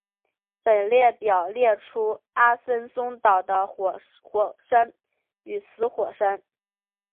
本列表列出阿森松岛的活火山与死火山。